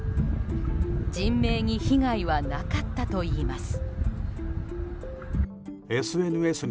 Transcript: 人命に被害はなかったといいます。